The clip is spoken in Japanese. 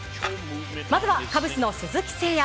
まずは、カブスの鈴木誠也。